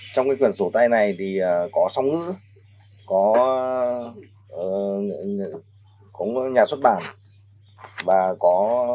trong cái quyển sổ tay này thì có sông có nhà xuất bản và có